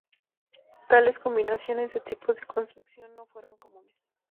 Tales combinaciones de tipos de construcción no fueron comunes.